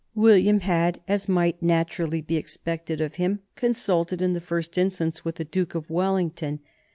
William had, as might naturally be expected of him, consulted in the first instance with the Duke of Wellington.